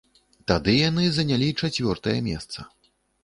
Тады яны занялі чацвёртае месца.